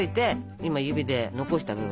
今指で残した部分。